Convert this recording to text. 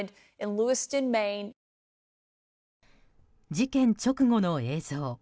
事件直後の映像。